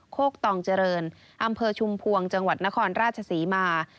โคกตองเจริญอำเภอชุมพวงจังหวัดนครราชศรีมา